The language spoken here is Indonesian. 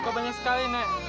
kok banyak sekali nek